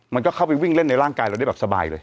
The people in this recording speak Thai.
มันก็เข้าไปวิ่งเล่นในร่างกายเราได้แบบสบายเลย